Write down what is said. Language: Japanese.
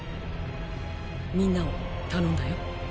みんなを頼んだよ。